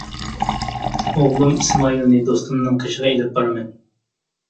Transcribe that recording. ئوغلۇم ئىسمائىلنى دوستۇمنىڭ قېشىغا ئېلىپ بارىمەن.